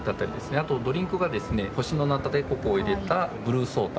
あとドリンクがですね星のナタデココを入れたブルーソーダ。